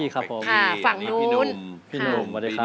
เรียกว่าน้องเป๊กกี้ได้นะคะครับผมน้องเป๊กกี้ครับผม